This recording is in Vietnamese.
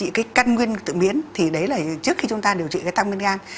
điều trị cái căn nguyên tự miễn thì đấy là trước khi chúng ta điều trị cái tăng men gan